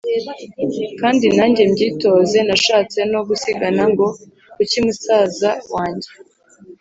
kandi nange mbyitoze. Nashatse no gusigana ngo kuki musaza wange